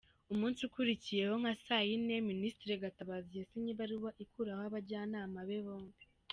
Umunsi ukurikiyeho, nka saa yine, Ministre Gatabazi yasinye ibaruwa ikuraho abajyanama be bombi.